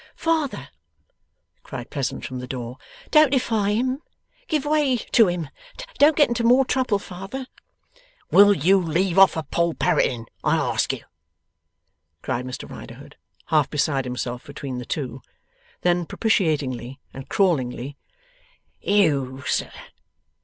'Father!' cried Pleasant, from the door. 'Don't defy him! Give way to him! Don't get into more trouble, father!' 'Will you leave off a Poll Parroting, I ask you?' cried Mr Riderhood, half beside himself between the two. Then, propitiatingly and crawlingly: 'You sir!